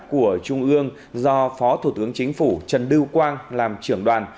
của trung ương do phó thủ tướng chính phủ trần lưu quang làm trưởng đoàn